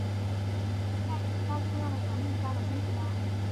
是近代史上重要的革命家和军事家。